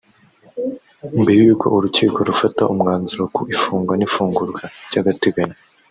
mbere y’uko urukiko rufata umwanzuro ku ifungwa n’ifungurwa ry’agateganyo